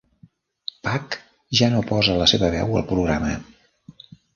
Pak ja no posa la seva veu al programa.